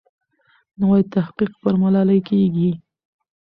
نوی تحقیق پر ملالۍ کېږي.